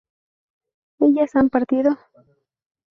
¿ellas han partido?